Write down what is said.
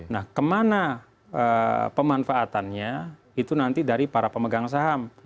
nah kemana pemanfaatannya itu nanti dari para pemegang saham